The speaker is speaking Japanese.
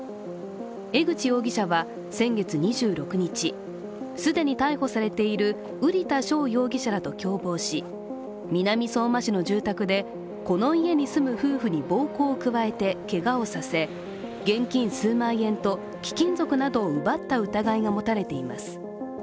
江口容疑者は先月２６日既に逮捕されている瓜田翔容疑者らと共謀し南相馬市の住宅でこの家に住む夫婦に暴行を加えてけがをさせ、現金数万円と貴金属などを奪った疑いが持たれています。